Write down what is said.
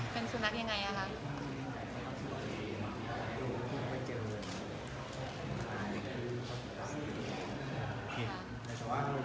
เป็นสุนัขยังไงคะ